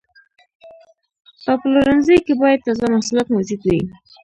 په پلورنځي کې باید تازه محصولات موجود وي.